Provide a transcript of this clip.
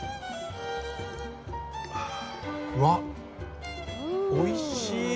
うわっおいしい！